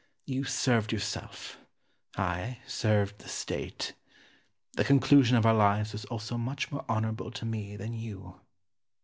You served yourself; I served the State. The conclusion of our lives was also much more honourable to me than you.